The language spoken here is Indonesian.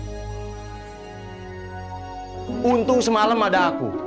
aku beruntung semalam ada aku